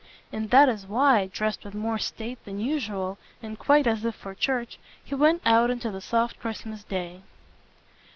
And that is why, dressed with more state than usual and quite as if for church, he went out into the soft Christmas day.